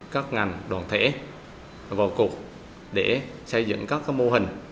các ngành đoàn thể vào cuộc để xây dựng các mô hình